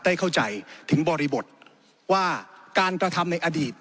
เข้าใจถึงบริบทว่าการกระทำในอดีต